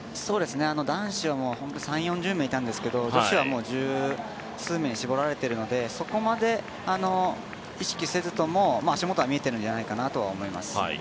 男子はもう３０４０名いたんですけど女子は十数名絞られているのでそこまで意識せずとも足元は見えてるんじゃないかなと思います。